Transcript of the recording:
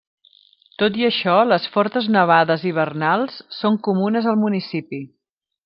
Tot i això, les fortes nevades hivernals són comunes al municipi.